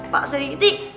pak seri itik